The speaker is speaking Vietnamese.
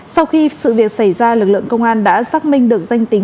sau khi sự việc xảy ra lực lượng công an đã xác minh được danh tính